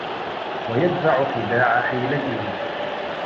وَيَدْفَعُ خِدَاعَ حِيلَتِهِ